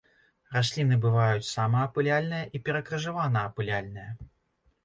Расліны бываюць самаапыляльныя і перакрыжаванаапыляльныя.